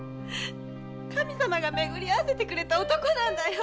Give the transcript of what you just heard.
神さまがめぐり会わせてくれた男なんだよ！